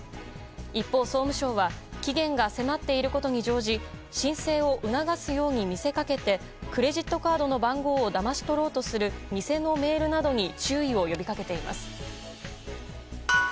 一方、総務省は期限が迫っていることに乗じ申請を促すように見せかけてクレジットカードの番号をだまし取ろうとする偽のメールなどに注意を呼びかけています。